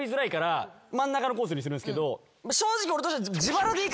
正直俺としては。